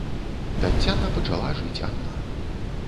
Таццяна пачала жыць адна.